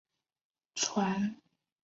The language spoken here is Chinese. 传说是夏禹建国时的首都。